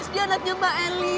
dia anaknya mbak eli